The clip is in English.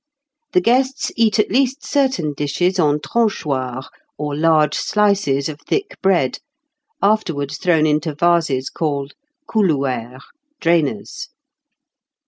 The guests eat at least certain dishes on tranchoirs, or large slices of thick bread, afterwards thrown into vases called couloueres (drainers).